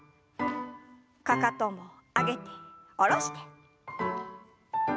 かかとも上げて下ろして。